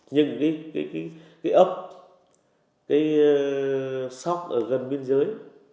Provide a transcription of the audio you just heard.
những ấp sóc ở gần biên giới